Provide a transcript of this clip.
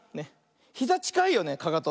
ひざちかいよねかかと。